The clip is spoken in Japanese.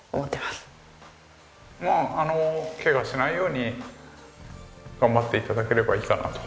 まあケガしないように頑張って頂ければいいかなと。